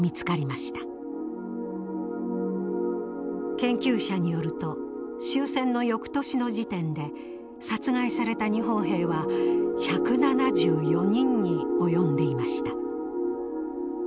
研究者によると終戦の翌年の時点で殺害された日本兵は１７４人に及んでいました。